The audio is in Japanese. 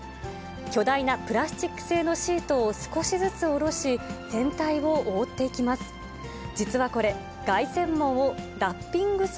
巨大なプラスチック製のシートを少しずつ下ろし、全体を覆っていきます。